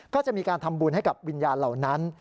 ก็จะมีการทำบุญให้กับวิญญาณเหล่านั้น